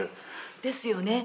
ですよね。